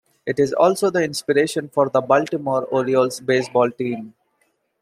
It is also the inspiration for the Baltimore Orioles baseball team.